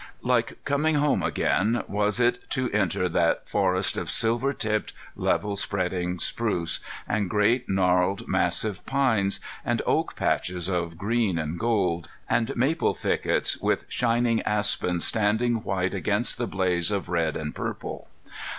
Like coming home again was it to enter that forest of silver tipped, level spreading spruce, and great, gnarled, massive pines, and oak patches of green and gold, and maple thickets, with shining aspens standing white against the blaze of red and purple.